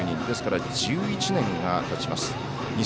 ですから、１１年がたちます。